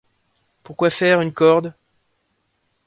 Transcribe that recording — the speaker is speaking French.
Pourquoi faire, une corde ?